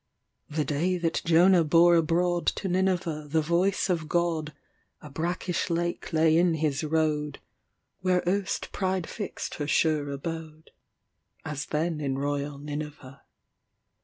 The day that Jonah bore abroadTo Nineveh the voice of God,A brackish lake lay in his road, Where erst Pride fixed her sure abode, As then in royal Nineveh.